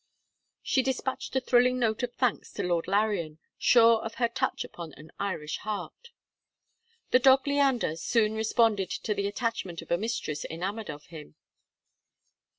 She despatched a thrilling note of thanks to Lord Larrian, sure of her touch upon an Irish heart. The dog Leander soon responded to the attachment of a mistress enamoured of him.